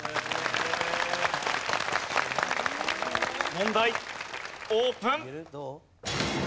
問題オープン。